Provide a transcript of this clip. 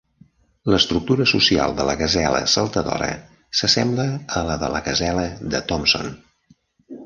L'estructura social de la gasela saltadora s'assembla a la de la gasela de Thomson.